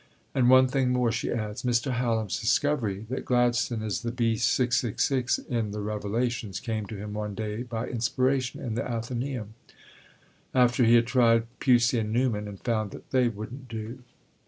"And one thing more," she adds; "Mr. Hallam's discovery that Gladstone is the Beast 666 (in the Revelations) came to him one day by inspiration in the Athenæum, after he had tried Pusey and Newman, and found that they wouldn't do."